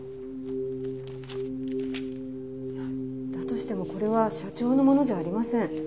だとしてもこれは社長のものじゃありません。